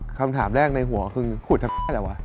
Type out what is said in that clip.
คำถามแรกในหัวคือขูดเธอเป๊ะแล้วหวะ